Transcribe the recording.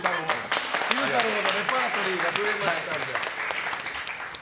昼太郎のレパートリーが増えましたんで。